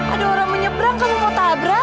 ada orang menyebrang kan mau tabrak